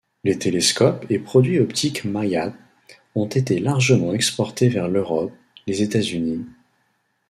Les télescopes et produits optiques Mailhat ont été largement exportés vers l'Europe, les États-Unis...